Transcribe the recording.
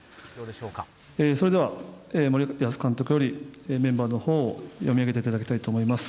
それでは、森保監督よりメンバーのほうを読み上げていただきたいと思います。